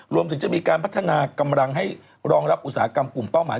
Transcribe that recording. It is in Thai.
รวมถึงจะมีการพัฒนากำลังให้รองรับอุตสาหกรรมกลุ่มเป้าหมาย